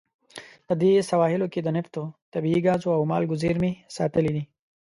د دې سواحلو کې د نفتو، طبیعي ګازو او مالګو زیرمې ساتلې دي.